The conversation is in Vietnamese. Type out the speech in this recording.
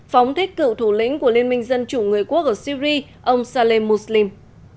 phóng thích cựu thủ lĩnh của liên minh dân chủ người quốc ở syria ông saleh mouslim